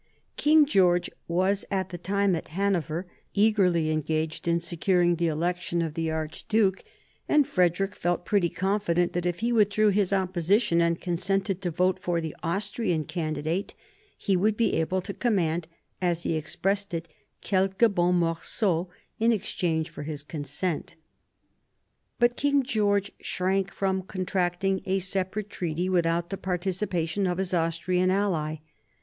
King George was at the time at Hanover, eagerly engaged in securing the election of the archduke, and 38 MARIA THERESA chap, ii Frederick felt pretty confident that if he withdrew his opposition, and consented to vote for the Austrian candidate, he would be able to command, as he expressed it, quelques bons morceaux, in exchange for his consent. But King George shrank from contracting a separate treaty without the participation of his Austrian ally.